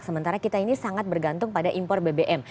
sementara kita ini sangat bergantung pada impor bbm